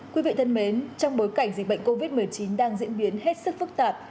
quý vị thân mến trong bối cảnh dịch bệnh covid một mươi chín đang diễn biến hết sức phức tạp